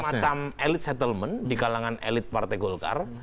ini belum terjadi semacam elite settlement di kalangan elite partai golkar